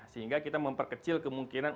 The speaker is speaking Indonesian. sehingga kita memperkecil kemungkinan